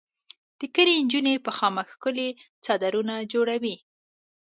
د کلي انجونې په خامک ښکلي څادرونه جوړوي.